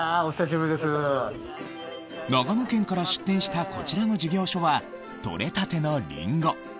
長野県から出店したこちらの事業所はとれたてのりんご